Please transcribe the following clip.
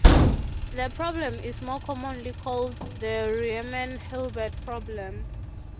This problem is more commonly called the Riemann-Hilbert problem.